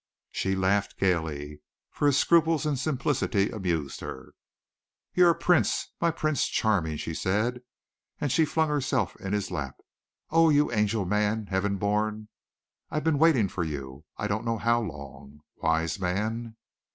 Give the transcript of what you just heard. She laughed gaily, for his scruples and simplicity amused her. "You're a prince my Prince Charming," she said and she flung herself in his lap. "Oh, you angel man, heaven born! I've been waiting for you I don't know how long. Wise man!